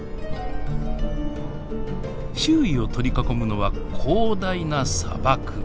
周囲を取り囲むのは広大な砂漠。